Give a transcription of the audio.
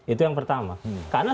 itu yang pertama karena